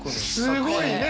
すごいね。